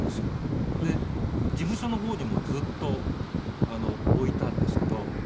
で事務所の方にもずっと置いたんですけど。